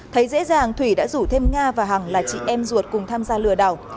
thấy dễ dàng thủy đã rủ thêm nga và hằng là chị em ruột cùng tham gia lừa đảo